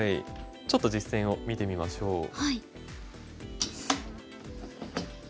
ちょっと実戦を見てみましょう。